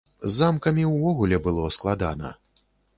З замкамі ўвогуле было складана.